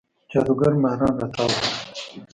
جادوګر ماران راتاو دی